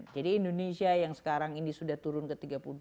jadi indonesia yang sekarang ini sudah turun ke tiga puluh delapan